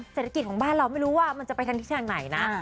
เศรษฐกิจของบ้านเราไม่รู้ว่ามันจะไปทางทิศทางไหนนะ